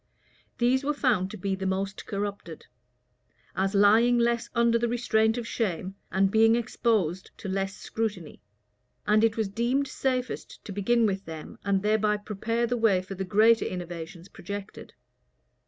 [*] These were found to be the most corrupted, as lying less under the restraint of shame, and being exposed to less scrutiny;[] and it was deemed safest to begin with them, and thereby prepare the way for the greater innovations projected.